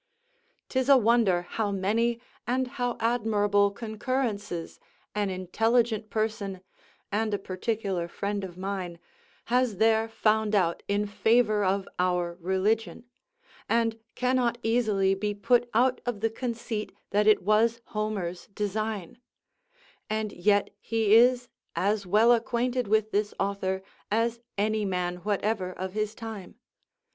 'Tis a wonder how many and how admirable concurrences an intelligent person, and a particular friend of mine, has there found out in favour of our religion; and cannot easily be put out of the conceit that it was Homer's design; and yet he is as well acquainted with this author as any man whatever of his time.